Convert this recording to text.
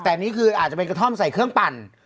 แต่อันนี้คืออาจจะเป็นกระท่อมใส่เครื่องปั่น